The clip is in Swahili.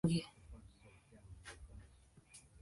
Vyanzo vya mawazo kuhusu bidhaa pepe ni nyingi.